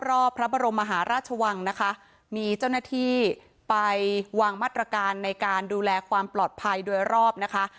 รอบพระบรมมหาราชวังนะคะมีเจ้าหน้าที่ไปวางมาตรการในการดูแลความปลอดภัยโดยรอบนะคะ